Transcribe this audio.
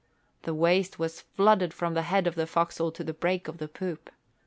The waist was flooded from the head of the forecastle to the break of the poop.